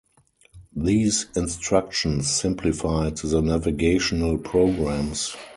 These instructions simplified the navigational programs.